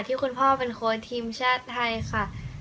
คุณพ่อเป็นโค้ชทีมชาติไทยค่ะ